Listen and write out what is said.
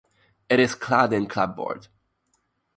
It is clad in clapboard.